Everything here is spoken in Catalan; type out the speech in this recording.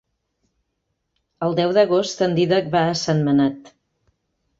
El deu d'agost en Dídac va a Sentmenat.